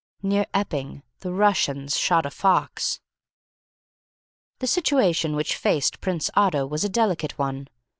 Near Epping the Russians shot a fox.... The situation which faced Prince Otto was a delicate one.